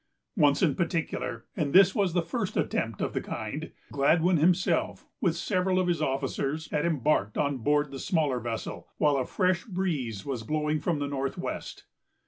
Once in particular,——and this was the first attempt of the kind,——Gladwyn himself, with several of his officers, had embarked on board the smaller vessel, while a fresh breeze was blowing from the north west.